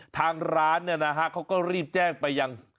ทางร้านเขาก็รีบแจ้งไปอย่าง